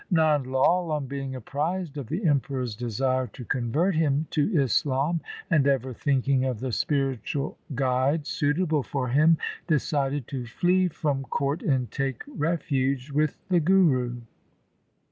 Nand Lai on being apprised of the emperor's desire to convert him to Islam, and ever thinking of the spiritual guide suitable for him, decided to flee from court and take refuge with the Guru.